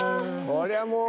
こりゃもう。